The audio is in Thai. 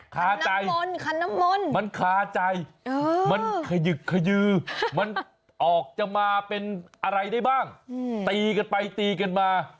คาใจมันคาใจมันขยึกขยือมันออกจะมาเป็นอะไรได้บ้างตีกันไปตีกันมา